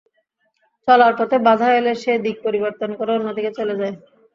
চলার পথে বাধা এলে সে দিক পরিবর্তন করে অন্য দিকে চলে যায়।